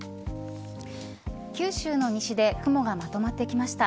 九州の西で雲がまとまってきました。